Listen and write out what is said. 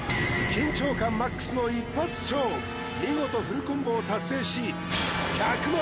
緊張感ＭＡＸの一発勝負見事フルコンボを達成し１００万